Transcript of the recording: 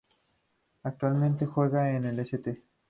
Actualmente juega en el St.